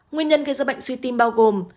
nguyên nhân gây ra bệnh suy tim bao gồm